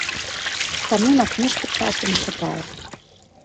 Таму на кніжкі часу не хапае.